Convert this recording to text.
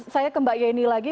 saya ke mbak yeni lagi